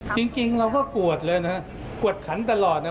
จริงเราก็กวดเลยนะกวดขันตลอดนะ